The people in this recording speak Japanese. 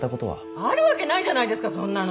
あるわけないじゃないですかそんなの！